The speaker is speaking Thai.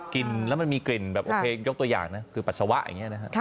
กินแล้วมันมีกลิ่นอยกตัวอย่างนะคือผัสะวะอย่างเนี่ยนะครับ